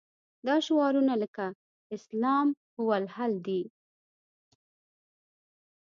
دا شعارونه لکه الاسلام هو الحل دي.